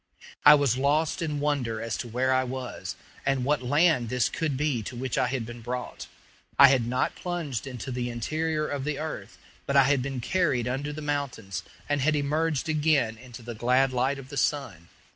I was lost in wonder as to where I was, and what land this could be to which I had been brought. I had not plunged into the interior of the earth, but I had been carried under the mountains, and had emerged again into the glad light of the sun.